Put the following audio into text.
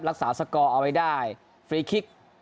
สกอร์เอาไว้ได้ฟรีคิก